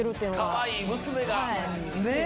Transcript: かわいい娘がねえ。